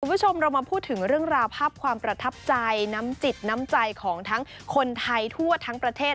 คุณผู้ชมเรามาพูดถึงเรื่องราวภาพความประทับใจน้ำจิตน้ำใจของทั้งคนไทยทั่วทั้งประเทศ